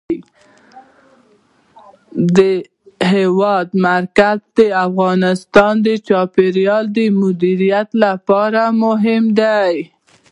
د هېواد مرکز د افغانستان د چاپیریال د مدیریت لپاره مهم دي.